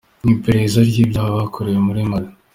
mu iperereza ry’ibyaha byakorewe muri Mali